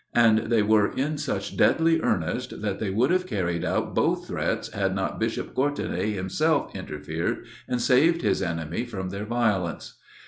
And they were in such deadly earnest that they would have carried out both threats had not Bishop Courtenay himself interfered, and saved his enemy from their violence.